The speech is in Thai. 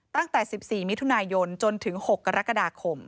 ตั้งแต่๑๔มิถุนายนจนถึง๖กรกฎาคม